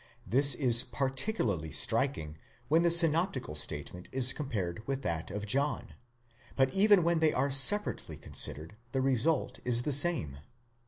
This is particularly striking when the synoptical statement is compared with that of John; but even when they are separately considered, the result is the same.